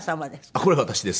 これ私です。